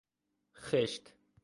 خشت